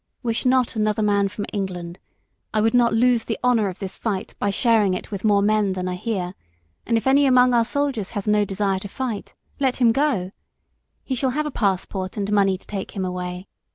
Wish not another man from England. I would not lose the honour of this fight by sharing it with more men than are here, and if any among our soldiers has no desire to fight, let him go. He shall have a passport and money to take him away.